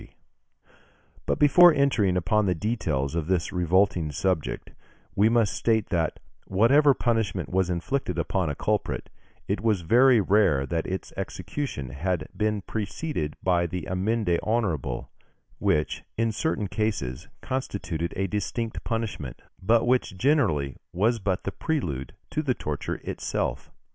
] But before entering upon the details of this revolting subject, we must state that, whatever punishment was inflicted upon a culprit, it was very rare that its execution had not been preceded by the amende honorable, which, in certain cases, constituted a distinct punishment, but which generally was but the prelude to the torture itself.